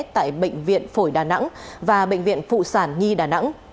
tại bệnh viện phổi đà nẵng và bệnh viện phụ sản nhi đà nẵng